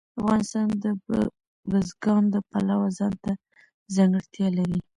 افغانستان د بزګان د پلوه ځانته ځانګړتیا لري.